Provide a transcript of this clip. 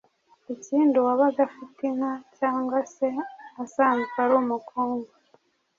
Ikindi uwabaga afite inka, cyangwa se asanzwe ari umukungu,